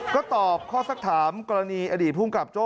ก็ตอบข้อสักถามกรณีอดีตภูมิกับโจ้